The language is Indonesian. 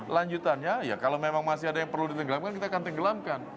lanjutannya ya kalau memang masih ada yang perlu ditenggelamkan kita akan tenggelamkan